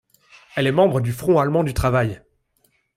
Elle est membre du Front allemand du travail.